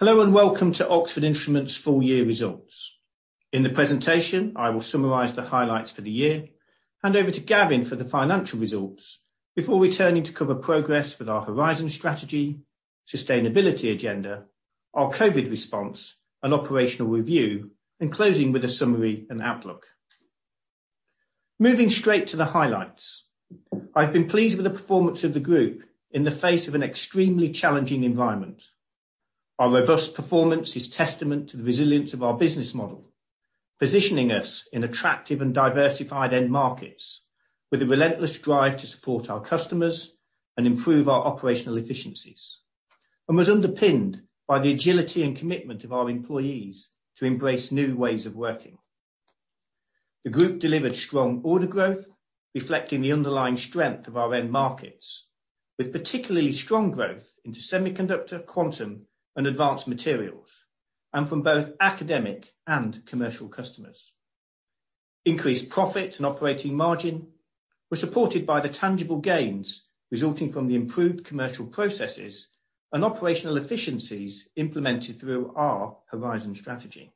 Hello and welcome to Oxford Instruments' full year results. In the presentation, I will summarize the highlights for the year and hand over to Gavin for the financial results before returning to cover progress with our Horizon Strategy, Sustainability Agenda, our COVID response, an operational review, and closing with a summary and outlook. Moving straight to the highlights, I've been pleased with the performance of the group in the face of an extremely challenging environment. Our robust performance is testament to the resilience of our business model, positioning us in attractive and diversified end markets with a relentless drive to support our customers and improve our operational efficiencies, and was underpinned by the agility and commitment of our employees to embrace new ways of working. The group delivered strong order growth, reflecting the underlying strength of our end markets, with particularly strong growth into semiconductor, quantum, and advanced materials, and from both academic and commercial customers. Increased profit and operating margin were supported by the tangible gains resulting from the improved commercial processes and operational efficiencies implemented through our Horizon Strategy.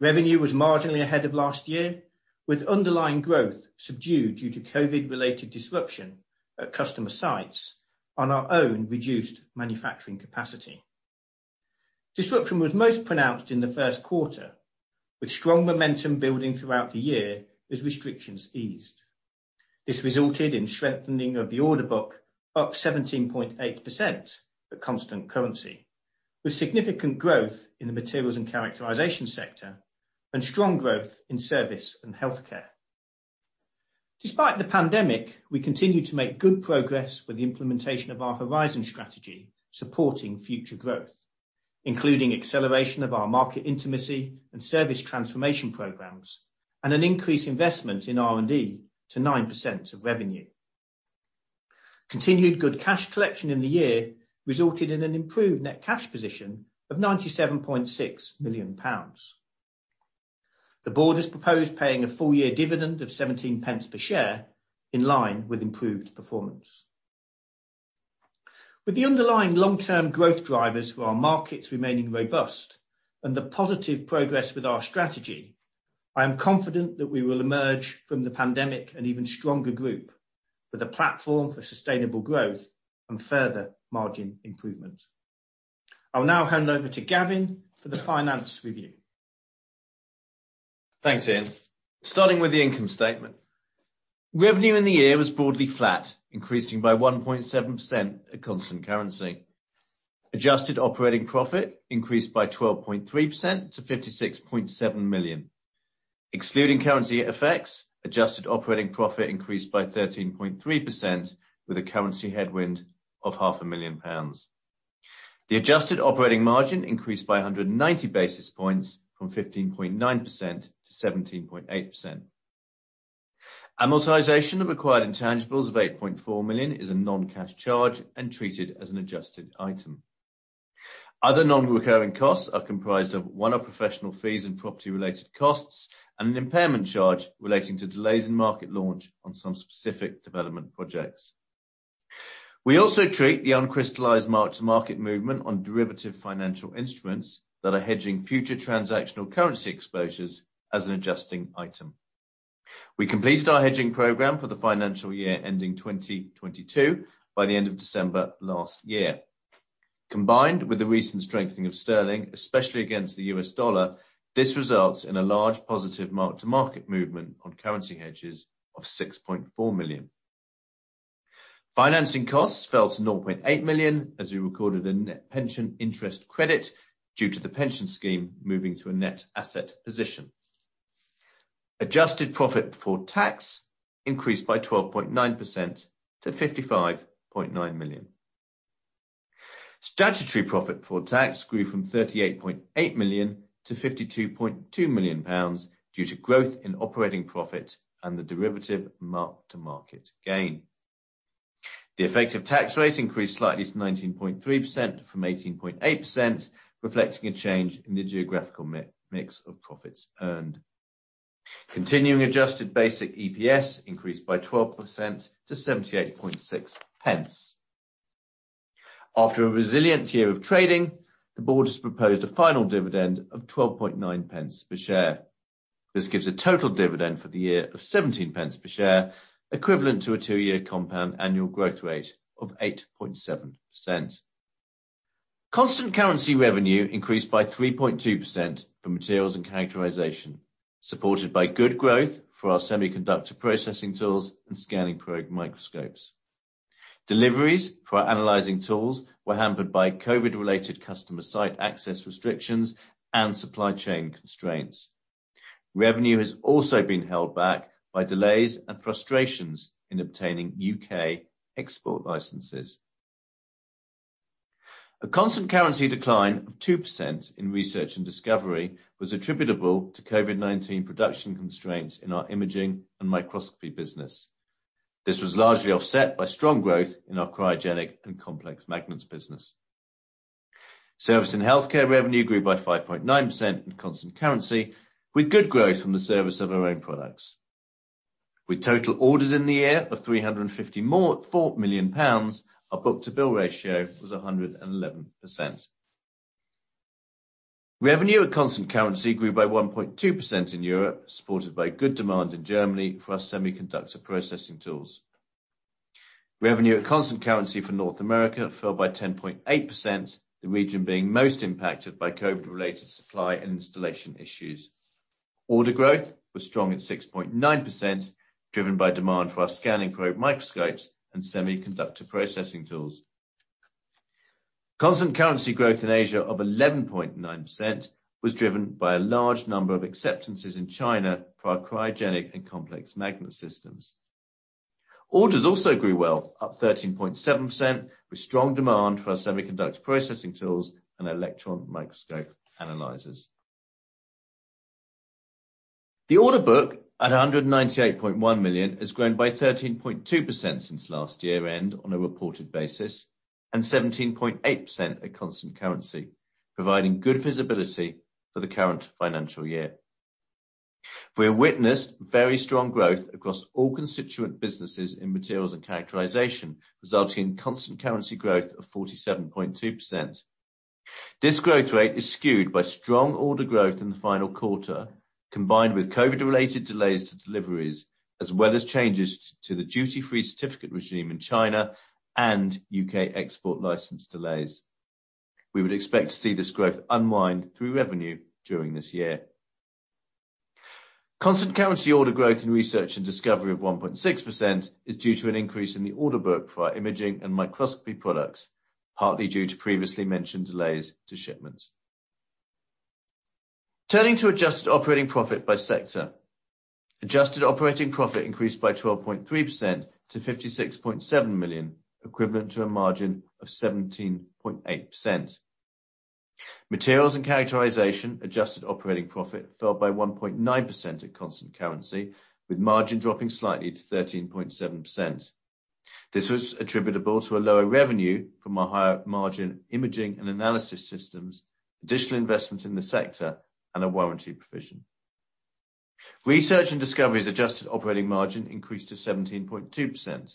Revenue was marginally ahead of last year, with underlying growth subdued due to COVID-related disruption at customer sites and our own reduced manufacturing capacity. Disruption was most pronounced in the first quarter, with strong momentum building throughout the year as restrictions eased. This resulted in a strengthening of the order book, up 17.8% at constant currency, with significant growth in the Materials and Characterization sector and strong growth in service and healthcare. Despite the pandemic, we continued to make good progress with the implementation of our Horizon Strategy, supporting future growth, including acceleration of our market intimacy and service transformation programs and an increased investment in R&D to 9% of revenue. Continued good cash collection in the year resulted in an improved net cash position of 97.6 million pounds. The board has proposed paying a full-year dividend of 0.17 per share, in line with improved performance. With the underlying long-term growth drivers for our markets remaining robust and the positive progress with our strategy, I am confident that we will emerge from the pandemic an even stronger group with a platform for sustainable growth and further margin improvement. I'll now hand over to Gavin for the finance review. Thanks, Ian. Starting with the income statement, revenue in the year was broadly flat, increasing by 1.7% at constant currency. Adjusted operating profit increased by 12.3% to 56.7 million. Excluding currency effects, adjusted operating profit increased by 13.3% with a currency headwind of 500,000 pounds. The adjusted operating margin increased by 190 basis points from 15.9% to 17.8%. Amortization of acquired intangibles of 8.4 million is a non-cash charge and treated as an adjusted item. Other non-recurring costs are comprised of one-off professional fees and property-related costs and an impairment charge relating to delays in market launch on some specific development projects. We also treat the uncrystallized mark-to-market movement on derivative financial instruments that are hedging future transactional currency exposures as an adjusting item. We completed our hedging program for the financial year ending 2022 by the end of December last year. Combined with the recent strengthening of sterling, especially against the US dollar, this results in a large positive mark-to-market movement on currency hedges of 6.4 million. Financing costs fell to 0.8 million as we recorded a net pension interest credit due to the pension scheme moving to a net asset position. Adjusted profit before tax increased by 12.9% to 55.9 million. Statutory profit before tax grew from 38.8 million to 52.2 million pounds due to growth in operating profit and the derivative mark-to-market gain. The effective tax rate increased slightly to 19.3% from 18.8%, reflecting a change in the geographical mix of profits earned. Continuing adjusted basic EPS increased by 12% to 0.786. After a resilient year of trading, the board has proposed a final dividend of 12.9 per share. This gives a total dividend for the year of 17 per share, equivalent to a two-year compound annual growth rate of 8.7%. Constant currency revenue increased by 3.2% for Materials and Characterization, supported by good growth for our semiconductor processing tools and scanning probe microscopes. Deliveries for our analyzing tools were hampered by COVID-related customer site access restrictions and supply chain constraints. Revenue has also been held back by delays and frustrations in obtaining U.K. export licenses. A constant currency decline of 2% in Research and Discovery was attributable to COVID-19 production constraints in our imaging and microscopy business. This was largely offset by strong growth in our cryogenic and complex magnets business. Service and healthcare revenue grew by 5.9% in constant currency, with good growth from the service of our own products. With total orders in the year of 354 million pounds, our book-to-bill ratio was 111%. Revenue at constant currency grew by 1.2% in Europe, supported by good demand in Germany for our semiconductor processing tools. Revenue at constant currency for North America fell by 10.8%, the region being most impacted by COVID-related supply and installation issues. Order growth was strong at 6.9%, driven by demand for our scanning probe microscopes and semiconductor processing tools. Constant currency growth in Asia of 11.9% was driven by a large number of acceptances in China for our cryogenic and complex magnet systems. Orders also grew well, up 13.7%, with strong demand for our semiconductor processing tools and electron microscope analyzers. The order book at 198.1 million has grown by 13.2% since last year-end on a reported basis and 17.8% at constant currency, providing good visibility for the current financial year. We have witnessed very strong growth across all constituent businesses in Materials and Characterization, resulting in constant currency growth of 47.2%. This growth rate is skewed by strong order growth in the final quarter, combined with COVID-related delays to deliveries, as well as changes to the duty-free certificate regime in China and U.K. export license delays. We would expect to see this growth unwind through revenue during this year. Constant currency order growth in Research and Discovery of 1.6% is due to an increase in the order book for our imaging and microscopy products, partly due to previously mentioned delays to shipments. Turning to adjusted operating profit by sector, adjusted operating profit increased by 12.3% to 56.7 million, equivalent to a margin of 17.8%. Materials and Characterization adjusted operating profit fell by 1.9% at constant currency, with margin dropping slightly to 13.7%. This was attributable to a lower revenue from our higher margin imaging and analysis systems, additional investments in the sector, and a warranty provision. Research and Discovery's adjusted operating margin increased to 17.2%.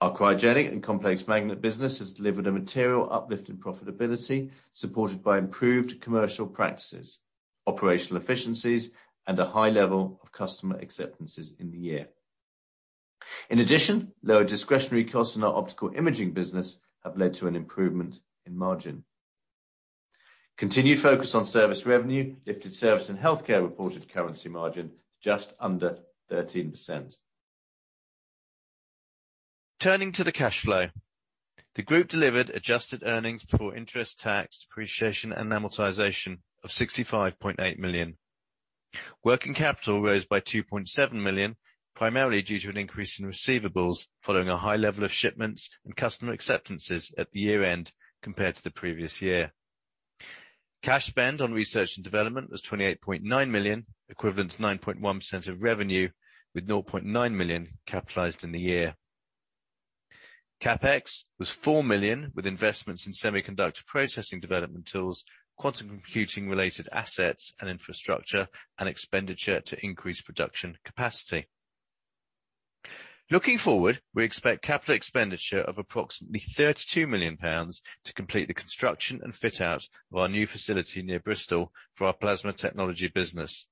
Our cryogenic and complex magnet business has delivered a material uplift in profitability, supported by improved commercial practices, operational efficiencies, and a high level of customer acceptances in the year. In addition, lower discretionary costs in our optical imaging business have led to an improvement in margin. Continued focus on service revenue lifted service and healthcare reported currency margin just under 13%. Turning to the cash flow, the group delivered adjusted earnings before interest, tax, depreciation, and amortization of 65.8 million. Working capital rose by 2.7 million, primarily due to an increase in receivables following a high level of shipments and customer acceptances at the year-end compared to the previous year. Cash spend on Research and Development was 28.9 million, equivalent to 9.1% of revenue, with 0.9 million capitalized in the year. CapEx was 4 million, with investments in semiconductor processing development tools, quantum computing-related assets and infrastructure, and expenditure to increase production capacity. Looking forward, we expect capital expenditure of approximately 32 million pounds to complete the construction and fit-out of our new facility near Bristol for our plasma technology business.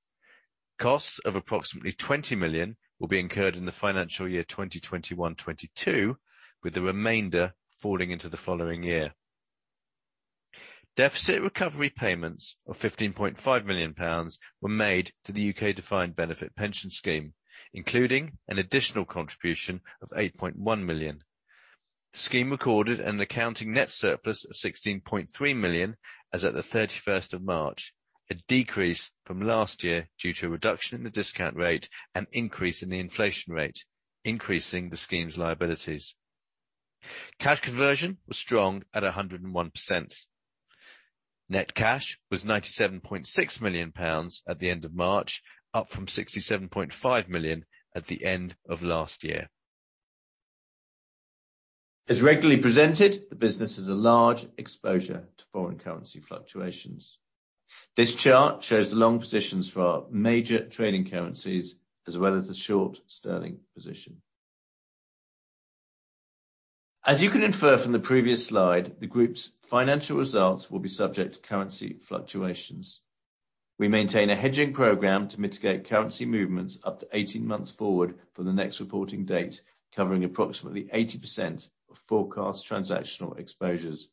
Costs of approximately 20 million will be incurred in the financial year 2021-2022, with the remainder falling into the following year. Deficit recovery payments of 15.5 million pounds were made to the U.K. Defined Benefit Pension Scheme, including an additional contribution of 8.1 million. The scheme recorded an accounting net surplus of 16.3 million as of the 31st of March, a decrease from last year due to a reduction in the discount rate and increase in the inflation rate, increasing the scheme's liabilities. Cash conversion was strong at 101%. Net cash was GBP 97.6 million at the end of March, up from GBP 67.5 million at the end of last year. As regularly presented, the business has a large exposure to foreign currency fluctuations. This chart shows the long positions for our major trading currencies, as well as the short sterling position. As you can infer from the previous slide, the group's financial results will be subject to currency fluctuations. We maintain a hedging program to mitigate currency movements up to 18 months forward from the next reporting date, covering approximately 80% of forecast transactional exposures.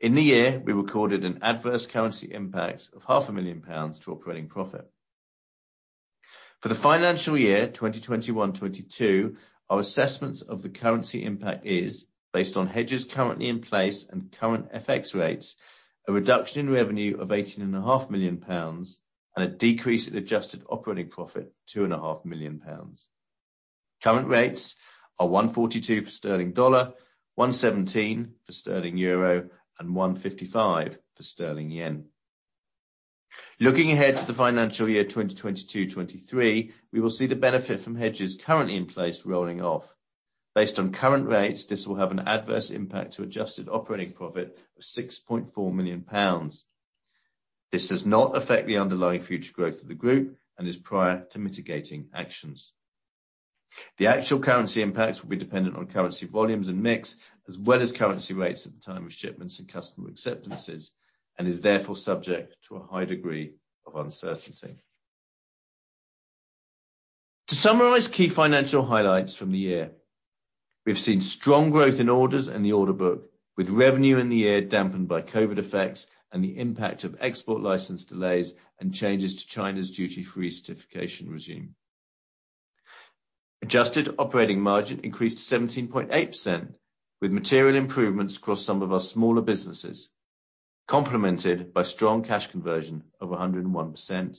In the year, we recorded an adverse currency impact of 500,000 pounds to operating profit. For the financial year 2021-2022, our assessment of the currency impact is, based on hedges currently in place and current FX rates, a reduction in revenue of 18.5 million pounds and a decrease in adjusted operating profit of 2.5 million pounds. Current rates are $1.42 per sterling dollar, 1.17 per sterling euro, and 1.55 per sterling yen. Looking ahead to the financial year 2022-2023, we will see the benefit from hedges currently in place rolling off. Based on current rates, this will have an adverse impact to adjusted operating profit of 6.4 million pounds. This does not affect the underlying future growth of the group and is prior to mitigating actions. The actual currency impacts will be dependent on currency volumes and mix, as well as currency rates at the time of shipments and customer acceptances, and is therefore subject to a high degree of uncertainty. To summarize key financial highlights from the year, we've seen strong growth in orders and the order book, with revenue in the year dampened by COVID effects and the impact of export license delays and changes to China's duty-free certification regime. Adjusted operating margin increased to 17.8%, with material improvements across some of our smaller businesses, complemented by strong cash conversion of 101%.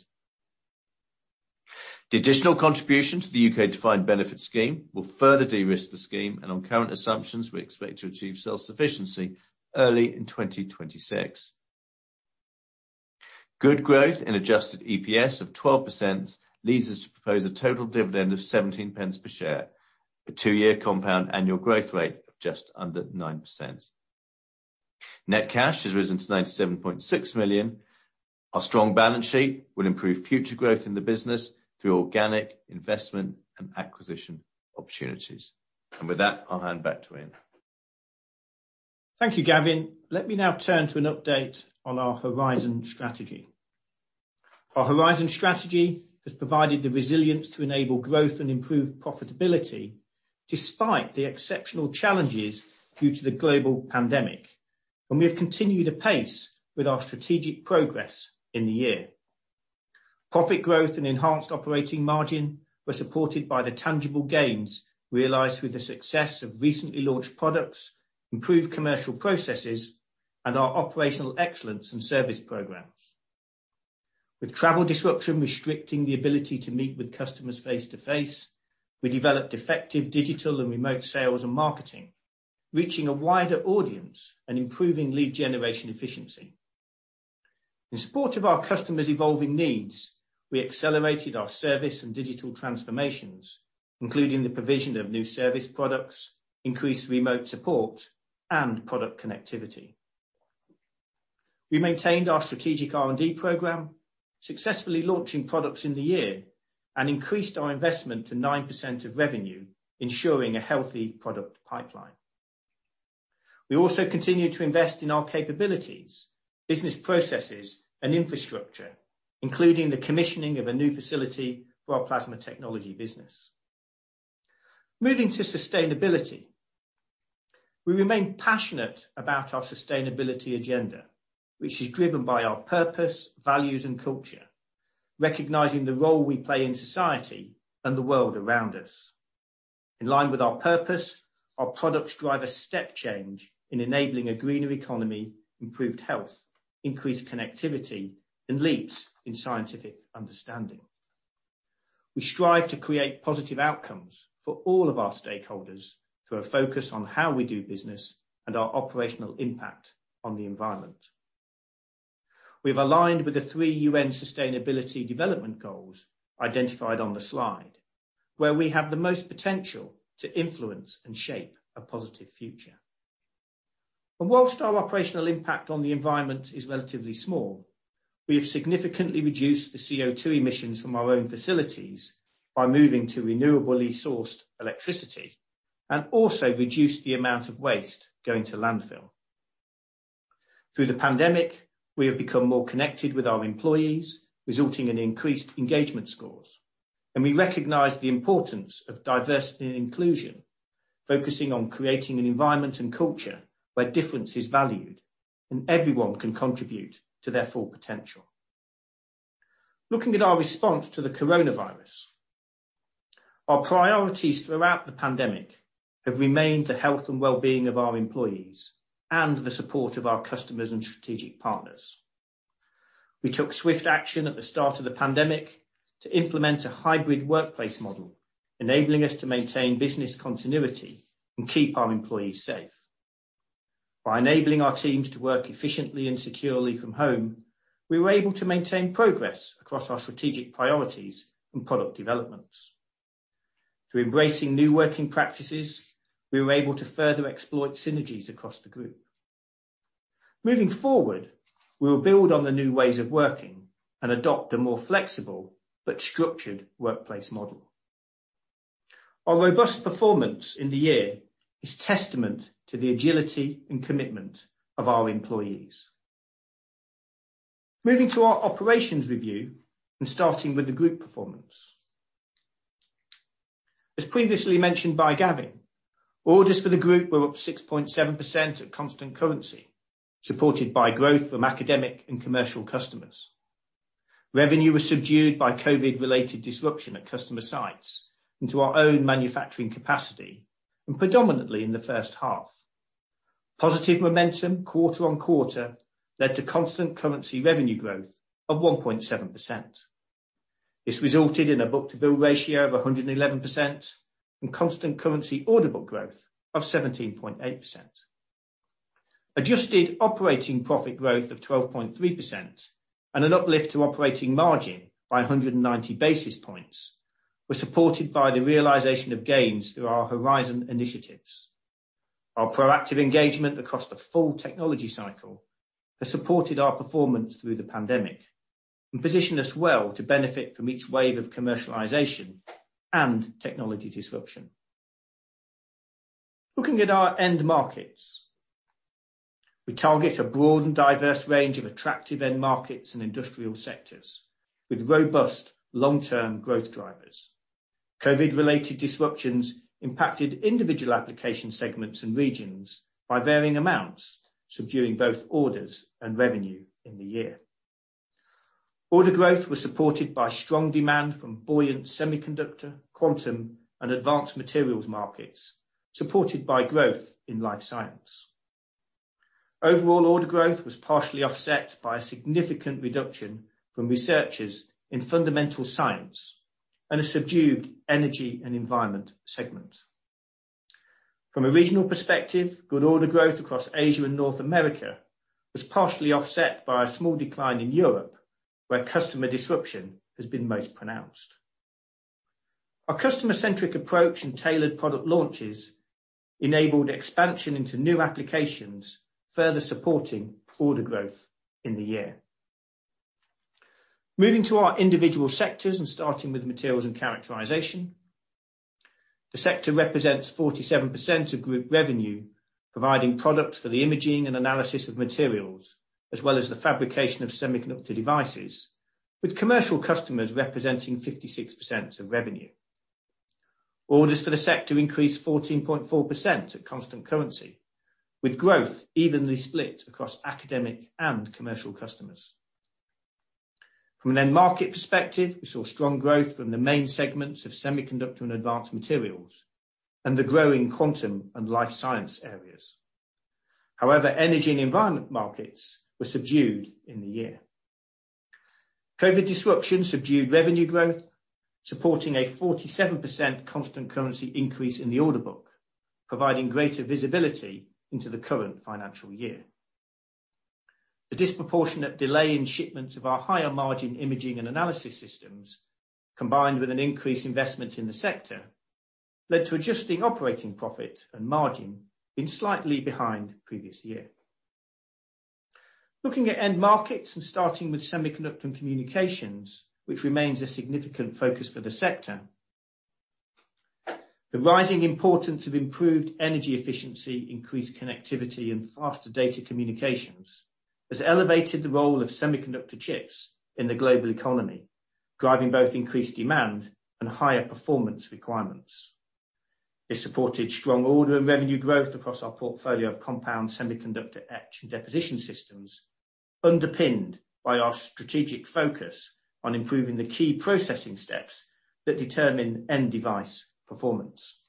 The additional contribution to the U.K. Defined Benefit Scheme will further de-risk the scheme, and on current assumptions, we expect to achieve self-sufficiency early in 2026. Good growth in adjusted EPS of 12% leads us to propose a total dividend of 0.17 per share, a two-year compound annual growth rate of just under 9%. Net cash has risen to 97.6 million. Our strong balance sheet will improve future growth in the business through organic investment and acquisition opportunities. With that, I'll hand back to Ian. Thank you, Gavin. Let me now turn to an update on our Horizon Strategy. Our Horizon Strategy has provided the resilience to enable growth and improved profitability despite the exceptional challenges due to the global pandemic, and we have continued apace with our strategic progress in the year. Profit growth and enhanced operating margin were supported by the tangible gains realized through the success of recently launched products, improved commercial processes, and our operational excellence and service programs. With travel disruption restricting the ability to meet with customers face-to-face, we developed effective Digital and Remote Sales and Marketing, reaching a wider audience and improving lead generation efficiency. In support of our customers' evolving needs, we accelerated our service and digital transformations, including the provision of new service products, increased remote support, and product connectivity. We maintained our strategic R&D program, successfully launching products in the year, and increased our investment to 9% of revenue, ensuring a healthy product pipeline. We also continue to invest in our capabilities, business processes, and infrastructure, including the commissioning of a new facility for our Plasma Technology Business. Moving to sustainability, we remain passionate about our sustainability agenda, which is driven by our purpose, values, and culture, recognizing the role we play in society and the world around us. In line with our purpose, our products drive a step change in enabling a greener economy, improved health, increased connectivity, and leaps in scientific understanding. We strive to create positive outcomes for all of our stakeholders through a focus on how we do business and our operational impact on the environment. We have aligned with the three UN Sustainability Development Goals identified on the slide, where we have the most potential to influence and shape a positive future. Whilst our operational impact on the environment is relatively small, we have significantly reduced the CO2 emissions from our own facilities by moving to renewably sourced electricity and also reduced the amount of waste going to landfill. Through the pandemic, we have become more connected with our employees, resulting in increased engagement scores, and we recognize the importance of diversity and inclusion, focusing on creating an environment and culture where difference is valued and everyone can contribute to their full potential. Looking at our response to the coronavirus, our priorities throughout the pandemic have remained the health and well-being of our employees and the support of our customers and strategic partners. We took swift action at the start of the pandemic to implement a hybrid workplace model, enabling us to maintain business continuity and keep our employees safe. By enabling our teams to work efficiently and securely from home, we were able to maintain progress across our strategic priorities and product developments. Through embracing new working practices, we were able to further exploit synergies across the group. Moving forward, we will build on the new ways of working and adopt a more flexible but structured workplace model. Our robust performance in the year is testament to the agility and commitment of our employees. Moving to our operations review and starting with the group performance. As previously mentioned by Gavin, orders for the group were up 6.7% at constant currency, supported by growth from academic and commercial customers. Revenue was subdued by COVID-related disruption at customer sites and to our own manufacturing capacity, and predominantly in the first half. Positive momentum quarter on quarter led to constant currency revenue growth of 1.7%. This resulted in a book-to-bill ratio of 111% and constant currency order book growth of 17.8%. Adjusted operating profit growth of 12.3% and an uplift to operating margin by 190 basis points were supported by the realization of gains through our Horizon Initiatives. Our proactive engagement across the full technology cycle has supported our performance through the pandemic and positioned us well to benefit from each wave of commercialization and technology disruption. Looking at our end markets, we target a broad and diverse range of attractive end markets and industrial sectors with robust long-term growth drivers. COVID-related disruptions impacted individual application segments and regions by varying amounts, subduing both orders and revenue in the year. Order growth was supported by strong demand from buoyant semiconductor, quantum, and advanced materials markets, supported by growth in life science. Overall order growth was partially offset by a significant reduction from researchers in fundamental science and a subdued energy and environment segment. From a regional perspective, good order growth across Asia and North America was partially offset by a small decline in Europe, where customer disruption has been most pronounced. Our customer-centric approach and tailored product launches enabled expansion into new applications, further supporting order growth in the year. Moving to our individual sectors and starting with Materials and Characterization, the sector represents 47% of group revenue, providing products for the imaging and analysis of materials, as well as the fabrication of semiconductor devices, with commercial customers representing 56% of revenue. Orders for the sector increased 14.4% at constant currency, with growth evenly split across academic and commercial customers. From an end market perspective, we saw strong growth from the main segments of semiconductor and advanced materials and the growing quantum and life science areas. However, energy and environment markets were subdued in the year. COVID disruption subdued revenue growth, supporting a 47% constant currency increase in the order book, providing greater visibility into the current financial year. The disproportionate delay in shipments of our higher margin imaging and analysis systems, combined with an increased investment in the sector, led to adjusted operating profit and margin being slightly behind previous year. Looking at end markets and starting with semiconductor and communications, which remains a significant focus for the sector, the rising importance of improved energy efficiency, increased connectivity, and faster data communications has elevated the role of semiconductor chips in the global economy, driving both increased demand and higher performance requirements. This supported strong order and revenue growth across our portfolio of compound semiconductor etch and deposition systems, underpinned by our strategic focus on improving the key processing steps that determine end device performance.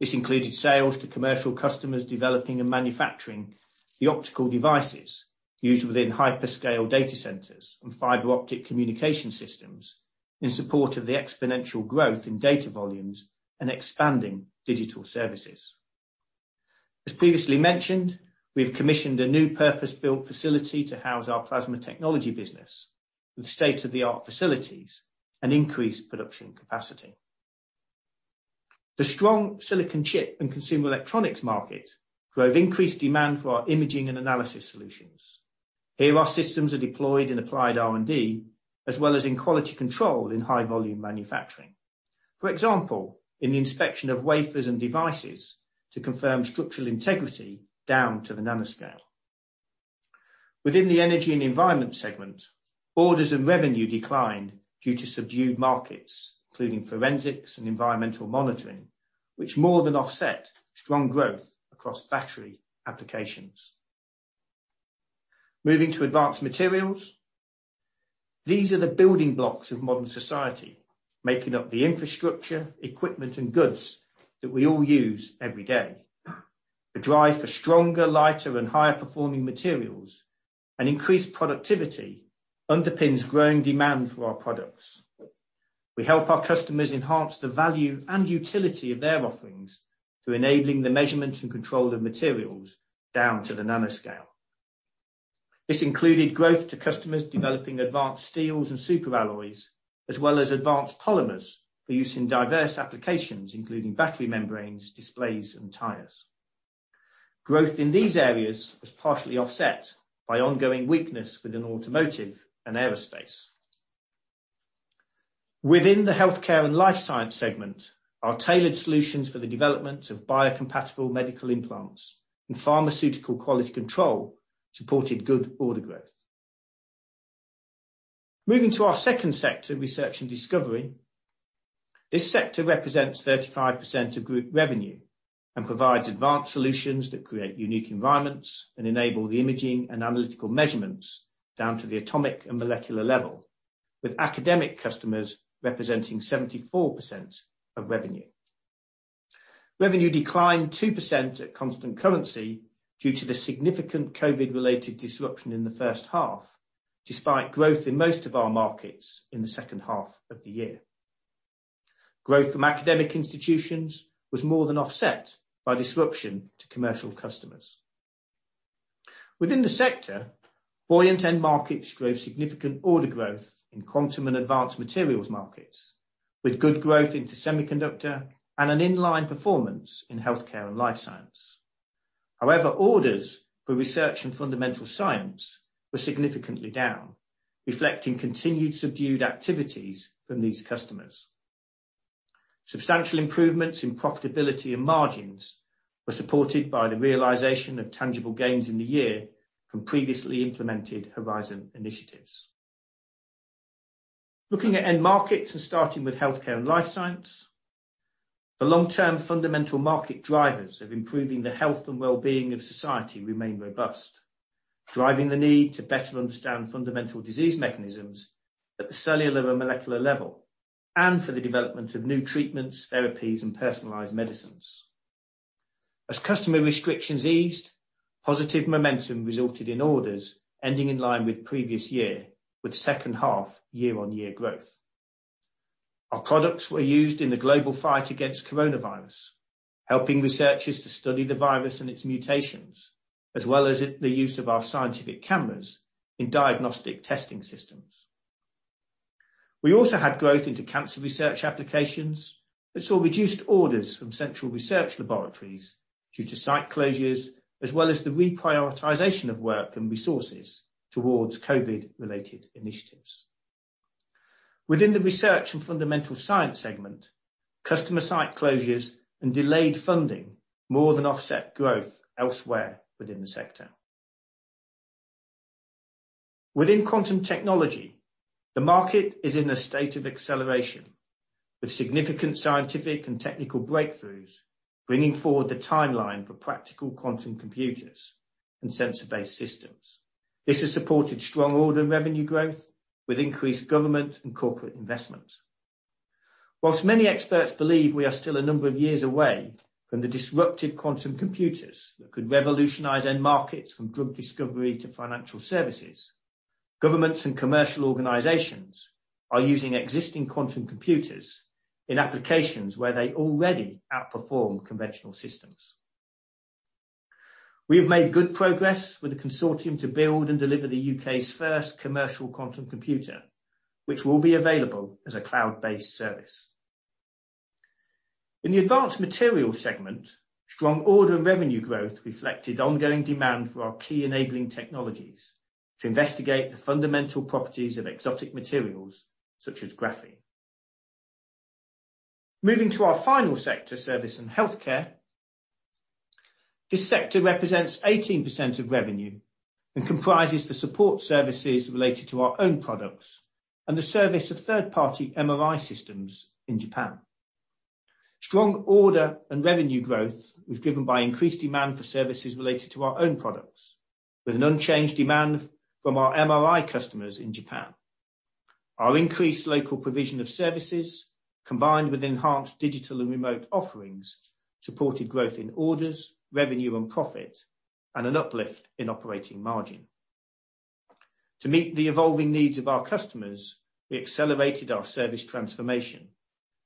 This included sales to commercial customers developing and manufacturing the optical devices used within hyperscale data centers and fiber optic communication systems in support of the exponential growth in data volumes and expanding digital services. As previously mentioned, we have commissioned a new purpose-built facility to house our Plasma Technology Business with state-of-the-art facilities and increased production capacity. The strong silicon chip and consumer electronics market drove increased demand for our imaging and analysis solutions. Here, our systems are deployed in applied R&D, as well as in quality control in high-volume manufacturing, for example, in the inspection of wafers and devices to confirm structural integrity down to the nanoscale. Within the energy and environment segment, orders and revenue declined due to subdued markets, including forensics and environmental monitoring, which more than offset strong growth across battery applications. Moving to advanced materials, these are the building blocks of modern society, making up the infrastructure, equipment, and goods that we all use every day. The drive for stronger, lighter, and higher-performing materials and increased productivity underpins growing demand for our products. We help our customers enhance the value and utility of their offerings through enabling the measurement and control of materials down to the nanoscale. This included growth to customers developing advanced steels and super alloys, as well as advanced polymers for use in diverse applications, including battery membranes, displays, and tires. Growth in these areas was partially offset by ongoing weakness within automotive and aerospace. Within the Healthcare and Life Science segment, our tailored solutions for the development of biocompatible medical implants and pharmaceutical quality control supported good order growth. Moving to our second sector, Research and Discovery, this sector represents 35% of group revenue and provides advanced solutions that create unique environments and enable the imaging and analytical measurements down to the atomic and molecular level, with academic customers representing 74% of revenue. Revenue declined 2% at constant currency due to the significant COVID-related disruption in the first half, despite growth in most of our markets in the second half of the year. Growth from academic institutions was more than offset by disruption to commercial customers. Within the sector, buoyant end markets drove significant order growth in quantum and advanced materials markets, with good growth into semiconductor and an inline performance in Healthcare and Life Science. However, orders for research and fundamental science were significantly down, reflecting continued subdued activities from these customers. Substantial improvements in profitability and margins were supported by the realization of tangible gains in the year from previously implemented Horizon Initiatives. Looking at end markets and starting with Healthcare and Life science, the long-term fundamental market drivers of improving the health and well-being of society remain robust, driving the need to better understand fundamental disease mechanisms at the cellular and molecular level and for the development of new treatments, therapies, and personalized medicines. As customer restrictions eased, positive momentum resulted in orders ending in line with previous year, with second half year-on-year growth. Our products were used in the global fight against coronavirus, helping researchers to study the virus and its mutations, as well as the use of our scientific cameras in diagnostic testing systems. We also had growth into cancer research applications that saw reduced orders from central research laboratories due to site closures, as well as the reprioritization of work and resources towards COVID-related initiatives. Within the Research and Fundamental Science segment, customer site closures and delayed funding, more than offset growth elsewhere within the sector. Within Quantum Technology, the market is in a state of acceleration, with significant scientific and technical breakthroughs bringing forward the timeline for practical quantum computers and sensor-based systems. This has supported strong order revenue growth, with increased government and corporate investment. Whilst many experts believe we are still a number of years away from the disruptive quantum computers that could revolutionize end markets from drug discovery to financial services, governments and commercial organizations are using existing quantum computers in applications where they already outperform conventional systems. We have made good progress with a consortium to build and deliver the U.K.'s first commercial quantum computer, which will be available as a cloud-based service. In the advanced materials segment, strong order and revenue growth reflected ongoing demand for our key enabling technologies to investigate the fundamental properties of exotic materials such as graphene. Moving to our final sector, Service and Healthcare, this sector represents 18% of revenue and comprises the support services related to our own products and the service of third-party MRI systems in Japan. Strong order and revenue growth was driven by increased demand for services related to our own products, with an unchanged demand from our MRI customers in Japan. Our increased local provision of services, combined with enhanced digital and remote offerings, supported growth in orders, revenue, and profit, and an uplift in operating margin. To meet the evolving needs of our customers, we accelerated our service transformation,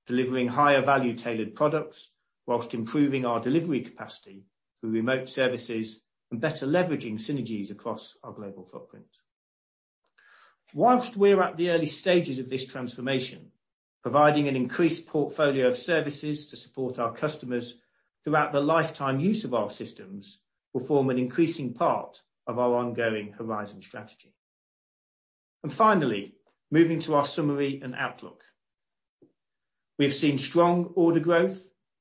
delivering higher value-tailored products whilst improving our delivery capacity through remote services and better leveraging synergies across our global footprint. Whilst we're at the early stages of this transformation, providing an increased portfolio of services to support our customers throughout the lifetime use of our systems will form an increasing part of our ongoing Horizon Strategy. Finally, moving to our summary and outlook, we have seen strong order growth,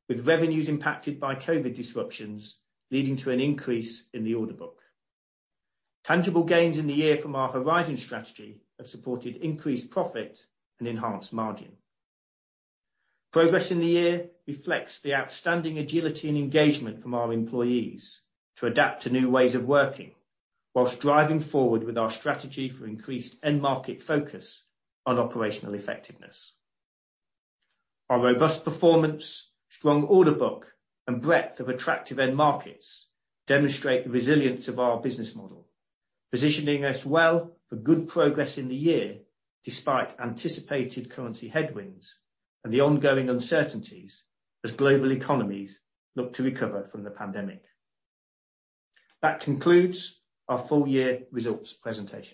with revenues impacted by COVID disruptions leading to an increase in the order book. Tangible gains in the year from our Horizon Strategy have supported increased profit and enhanced margin. Progress in the year reflects the outstanding agility and engagement from our employees to adapt to new ways of working, whilst driving forward with our strategy for increased end market focus on operational effectiveness. Our robust performance, strong order book, and breadth of attractive end markets demonstrate the resilience of our business model, positioning us well for good progress in the year despite anticipated currency headwinds and the ongoing uncertainties as global economies look to recover from the pandemic. That concludes our full-year results presentation.